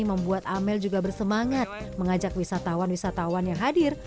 membuat amel juga bersemangat mengajak wisatawan wisatawan yang hadir